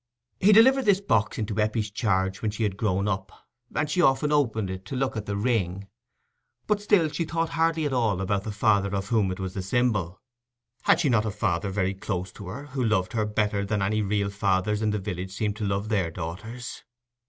He delivered this box into Eppie's charge when she had grown up, and she often opened it to look at the ring: but still she thought hardly at all about the father of whom it was the symbol. Had she not a father very close to her, who loved her better than any real fathers in the village seemed to love their daughters?